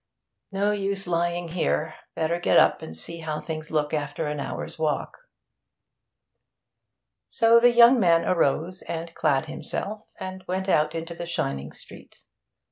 No use lying here. Better get up and see how things look after an hour's walk.' So the young man arose and clad himself, and went out into the shining street.